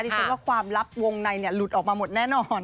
ฉันว่าความลับวงในหลุดออกมาหมดแน่นอน